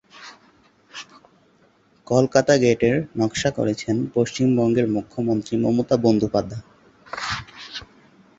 কলকাতা গেটের নকশা করেছেন পশ্চিমবঙ্গের মুখ্যমন্ত্রী মমতা বন্দ্যোপাধ্যায়।